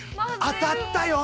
当たったよ。